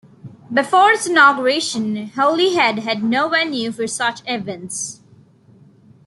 Before its inauguration, Holyhead had no venue for such events.